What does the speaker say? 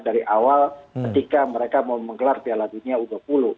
dari awal ketika mereka mau menggelar piala dunia u dua puluh